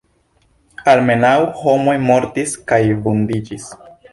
Almenaŭ homoj mortis kaj vundiĝis.